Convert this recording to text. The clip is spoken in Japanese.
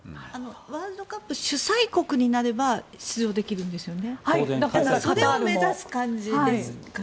ワールドカップ主催国になれば出場できるんですよね？